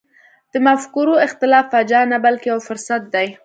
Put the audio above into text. د مفکورو اختلاف فاجعه نه بلکې یو فرصت دی.